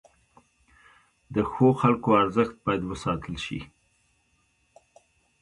د ښو خلکو ارزښت باید وساتل شي.